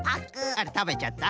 あらたべちゃった。